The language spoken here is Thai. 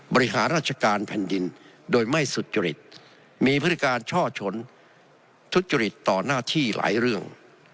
บริหารราชการแผ่นดินโดยไม่สุจริตมีพฤติการช่อชนทุจริตต่อหน้าที่หลายเรื่อง